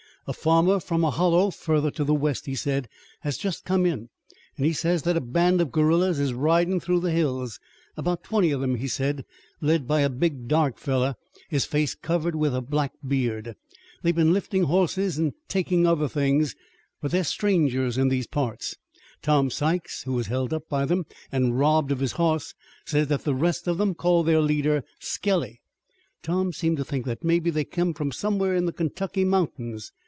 "A farmer from a hollow further to the west," he said, "has just come in, an' he says that a band of guerillas is ridin' through the hills. 'Bout twenty of them, he said, led by a big dark fellow, his face covered with black beard. They've been liftin' hosses an' takin' other things, but they're strangers in these parts. Tom Sykes, who was held up by them an' robbed of his hoss, says that the rest of 'em called their leader Skelly. Tom seemed to think that mebbe they came from somewhere in the Kentucky mountains.